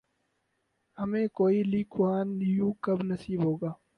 ہمیں کوئی لی کوآن یو کب نصیب ہوگا؟